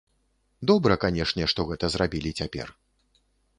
Добра, канешне, што гэта зрабілі цяпер.